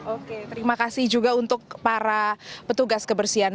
oke terima kasih juga untuk para petugas kebersihan